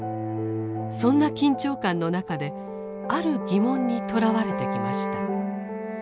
そんな緊張感の中である疑問にとらわれてきました。